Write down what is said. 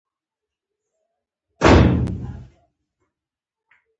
دا د حضرت محمد ص د کور ترمنځ لاره ده.